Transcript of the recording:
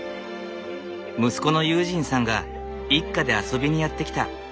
息子の悠仁さんが一家で遊びにやって来た。